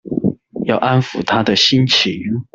要安撫她的心情